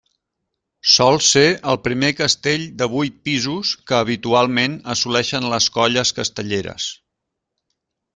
Sol ser el primer castell de vuit pisos que habitualment assoleixen les colles castelleres.